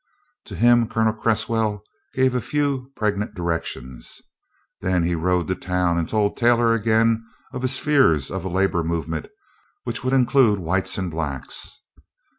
To him Colonel Cresswell gave a few pregnant directions. Then he rode to town, and told Taylor again of his fears of a labor movement which would include whites and blacks.